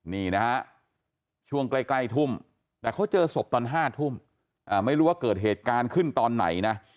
นี่นะฮะช่วงใกล้ทุ่มแต่เขาเจอศพตอน๕ทุ่มไม่รู้ว่าเกิดเหตุการณ์ขึ้นตอนไหนนะ